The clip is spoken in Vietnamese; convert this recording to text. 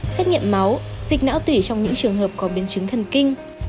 xét nghiệm máu dịch não tủy trong những trường hợp có biến chứng thần kinh